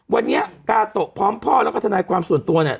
วันนี้กาโตะพร้อมพ่อแล้วก็ทนายความส่วนตัวเนี่ย